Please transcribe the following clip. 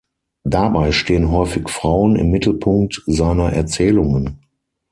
Dabei stehen häufig Frauen im Mittelpunkt seiner Erzählungen.